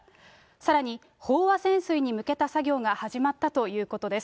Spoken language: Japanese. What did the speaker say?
さらに、飽和潜水に向けた作業が始まったということです。